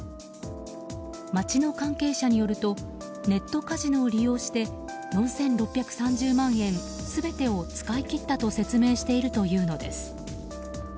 町の関係者によるとネットカジノを利用して４６３０万円全てを使い切ったと説明しているというのです。